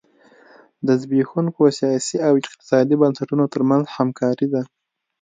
د زبېښونکو سیاسي او اقتصادي بنسټونو ترمنځ همکاري ده.